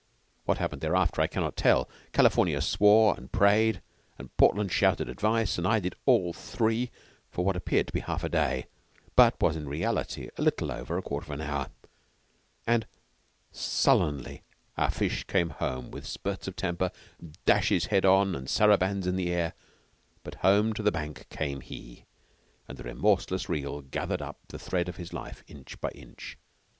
What happened thereafter I cannot tell. California swore and prayed, and Portland shouted advice, and I did all three for what appeared to be half a day, but was in reality a little over a quarter of an hour, and sullenly our fish came home with spurts of temper, dashes head on and sarabands in the air, but home to the bank came he, and the remorseless reel gathered up the thread of his life inch by inch.